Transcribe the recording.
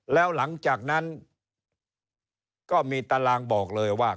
แล้วหลังจากนั้นก็มีตารางบอกเลยว่า